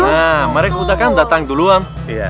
nah mereka udah kan datang duluan